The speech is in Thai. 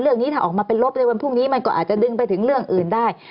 เรื่องนี้ถ้าออกมาเป็นลบในวันพรุ่งนี้มันก็อาจจะดึงไปถึงเรื่องอื่นได้